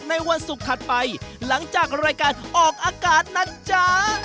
วันศุกร์ถัดไปหลังจากรายการออกอากาศนะจ๊ะ